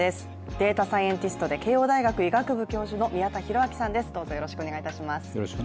データサイエンティストで慶応大学医学部教授の宮田裕章さんです。